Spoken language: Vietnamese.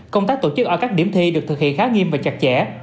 công tác tổ chức ở các điểm thi được thực hiện khá nghiêm và chặt chẽ